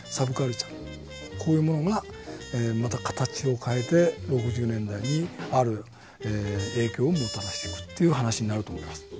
こういうものがまた形を変えて６０年代にある影響をもたらしていくという話になると思います。